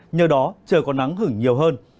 nhờ đó trời có nắng hửng nhiều hơn